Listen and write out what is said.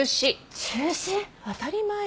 当たり前よ。